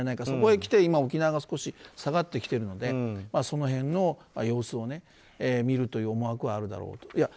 そこへきて沖縄が少し下がってきているのでその辺の様子を見るという思惑はあるだろうと。